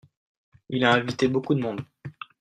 Il a invité beaucoup de monde.